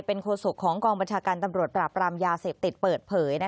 โคศกของกองบัญชาการตำรวจปราบรามยาเสพติดเปิดเผย